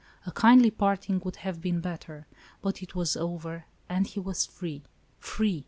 A kindly parting would have been better. But it was over, and he was free. Free !